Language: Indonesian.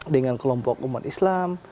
dengan kelompok umat islam